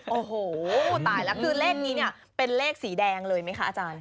โอ้โหตายแล้วคือเลขนี้เนี่ยเป็นเลขสีแดงเลยไหมคะอาจารย์